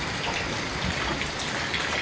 พร้อมทุกสิทธิ์